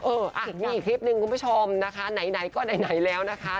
เอออ่ะมีอีกคลิปหนึ่งคุณผู้ชมนะคะไหนก็ไหนแล้วนะคะ